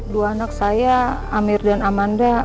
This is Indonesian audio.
dua anak saya amir dan amanda